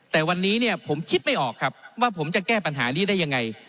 แต่วันนี้เนี่ยผมคิดไม่ออกครับว่าผมจะแก้ปัญหานี้ได้ยังไง